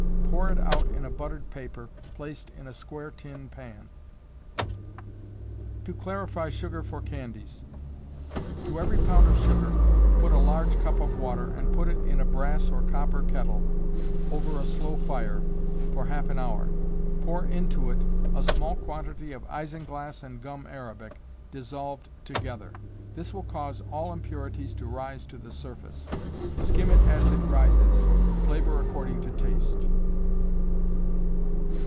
Pour it out in a buttered paper, placed in a square tin pan. To Clarify Sugar for Candies. To every pound of sugar, put a large cup of water, and put it in a brass or copper kettle, over a slow fire, for half an hour; pour into it a small quantity of isinglass and gum Arabic, dissolved together. This will cause all impurities to rise to the surface; skim it as it rises. Flavor according to taste.